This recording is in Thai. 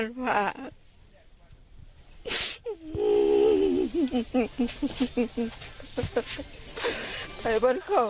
ยายยายค่อยค่อยออก